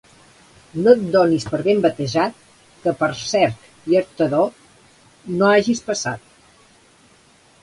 No et donis per ben batejat que per Cerc i Artedó no hagis passat.